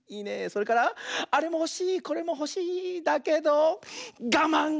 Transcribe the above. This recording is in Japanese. それからあれもほしいこれもほしいだけどがまん！